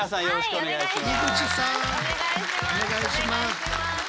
お願いします。